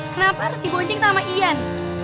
kenapa harus dibonceng sama ian